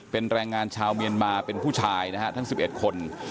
เป็นแรงงานชาวเมียนมาเป็นผู้ชายนะฮะทั้ง๑๑คน